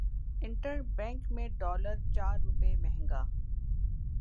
inter bank میں dollar چار روپے مہنگا